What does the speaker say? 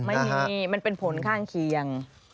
ไม่มีมันเป็นผลข้างเคียง